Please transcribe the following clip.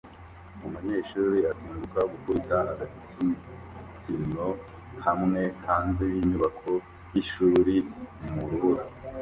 Umunyeshuri asimbuka gukubita agatsinsino hamwe hanze yinyubako yishuri mu rubura